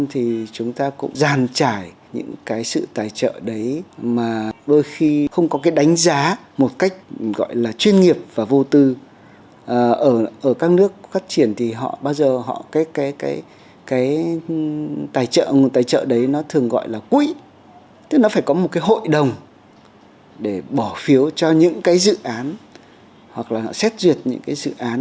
hoặc là họ xét duyệt những dự án đấy